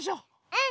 うん！